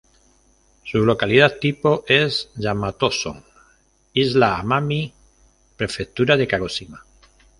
Su localidad tipo es Yamato-son, Isla Amami, Prefectura de Kagoshima.